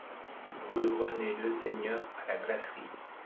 Rue René Leseigneur à La Glacerie